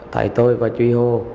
thầy tôi và chú hồ